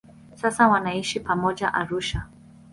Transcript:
Sasa wanaishi pamoja Arusha.